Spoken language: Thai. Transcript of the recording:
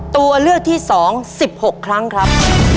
ตัวเลือกที่๒๑๖ครั้งครับ